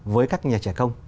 với các nhà trẻ công